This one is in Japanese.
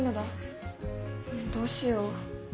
どうしよう。